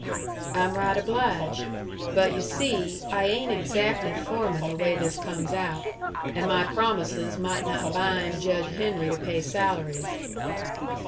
"I'm right obliged. But yu' see I ain't exackly foreman the way this comes out, and my promises might not bind Judge Henry to pay salaries."